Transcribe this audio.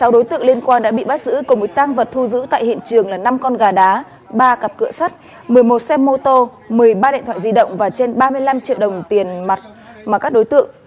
sáu đối tượng liên quan đã bị bắt giữ cùng với tăng vật thu giữ tại hiện trường là năm con gà đá ba cặp cửa sắt một mươi một xe mô tô một mươi ba điện thoại di động và trên ba mươi năm triệu đồng tiền mặt mà các đối tượng